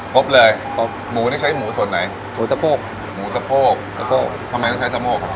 ครบเลยหมูนี่ใช้หมูส่วนไหนหมูสะโพกสะโพกทำไมต้องใช้สะโพก